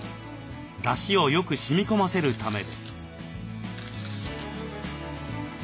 出汁をよくしみこませるためです。